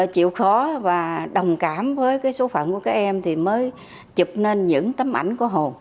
chịu khó và đồng cảm với cái số phận của các em thì mới chụp nên những tấm ảnh của hồ